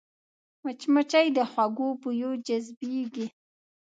مچمچۍ د خوږو بویو جذبېږي